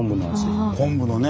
昆布の味。